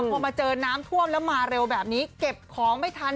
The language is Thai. พอมาเจอน้ำท่วมแล้วมาเร็วแบบนี้เก็บของไม่ทัน